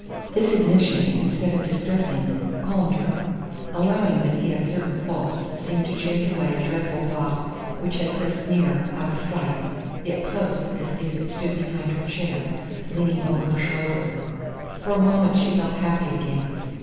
This admission, instead of distressing, calmed her. Allowing that he had certain faults seemed to chase away a dreadful thought which had pressed near, out of sight, yet close as if it stood behind her chair, leaning over her shoulder. For a moment she felt happy again.